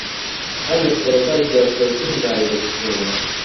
هەر لە سەرەتای دەرکەوتنی ڤایرۆسی کۆرۆنا